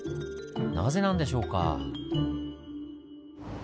なぜなんでしょうか？